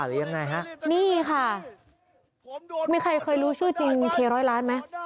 เค้ากลับมา